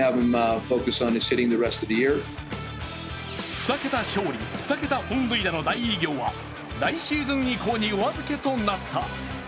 ２桁勝利・２桁本塁打の大偉業は来シーズン以降にお預けとなった。